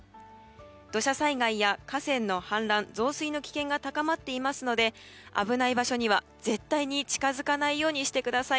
土砂災害や河川の氾濫・増水の危険が高まっていますので危ない場所には絶対に近づかないようにしてください。